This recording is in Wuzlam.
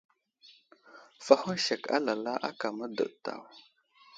Fahoŋ sek alala aka mə́dəɗ daw.